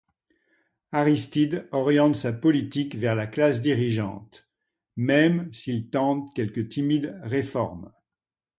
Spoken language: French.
Aristide oriente sa politique vers la classe dirigeante, même s'il tente quelques timides réformes.